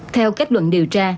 theo kết luận điều tra